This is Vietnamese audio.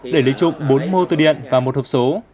để lấy trục bốn mô tư điện và một hộp số